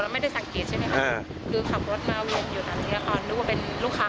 มันจะเป็นคนผิวดำคล้ำ